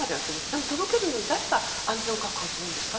でも、届けるのに誰が安全を確保するんですか？